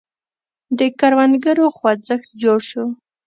د کروندګرو خوځښت جوړ شو.